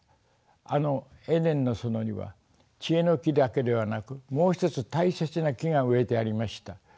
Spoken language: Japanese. あのエデンの園には知恵の樹だけではなくもう一つ大切な樹が植えてありました。